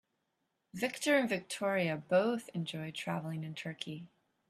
Victor and Victoria both enjoy traveling in Turkey.